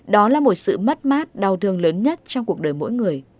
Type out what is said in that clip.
đó là một sự mất mát đau thương lớn nhất trong cuộc đời mỗi người